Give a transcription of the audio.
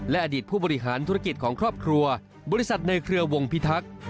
อดีตผู้บริหารธุรกิจของครอบครัวบริษัทในเครือวงพิทักษ์